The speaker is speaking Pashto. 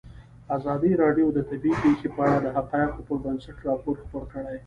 ازادي راډیو د طبیعي پېښې په اړه د حقایقو پر بنسټ راپور خپور کړی.